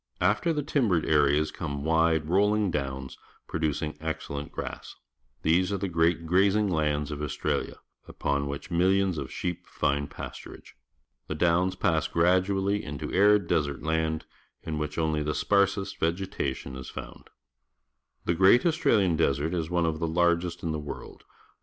After the timbered areas come wide, roll ing downs, producing excellent grass. These are the great grazing lands of Australia, upon which millions of sheep find pastur age. The downs pass gradually into arid desert land, in which only the sparsest vege tation is found. The Grvnl An.slrnlinii Drsrrt i largol in I lie WdiM.